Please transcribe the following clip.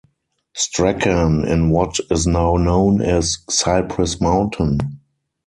Strachan in what is now known as Cypress Mountain.